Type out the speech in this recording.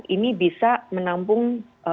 ini bisa menampung